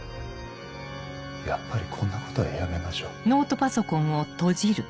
やっぱりこんなことはやめましょう。